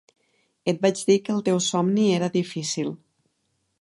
Et vaig dir que el teu somni era difícil.